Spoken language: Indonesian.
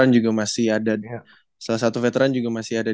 salah satu veteran juga masih ada